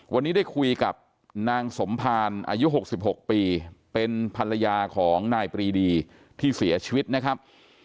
วันนี้ได้คุยกับนางสมภารอายุ๖๖ปีเป็นภรรยาของนายปรีดีที่เสียชีวิตนะครับ